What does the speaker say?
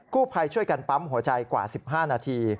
ผู้ภัยช่วยกันปั๊มหัวใจกว่า๑๕นาที